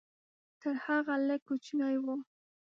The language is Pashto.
تر هغه لږ کوچنی و.